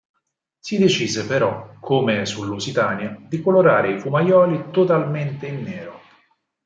Si decise, però, come sul Lusitania, di colorare i fumaioli totalmente in nero.